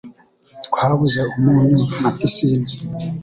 Twabuze umunyu na pisine